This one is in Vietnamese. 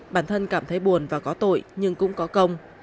bản thân cảm thấy buồn và có tội nhưng cũng có công